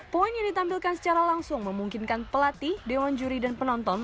poin yang ditampilkan secara langsung memungkinkan pelatih dewan juri dan penonton